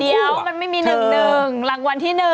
เดี๋ยวมันไม่มี๑๑รางวัลที่๑